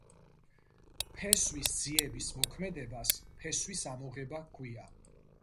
ფესვის ძიების მოქმედებას ფესვის ამოღება ჰქვია.